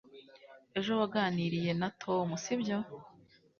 ejo waganiriye na tom, sibyo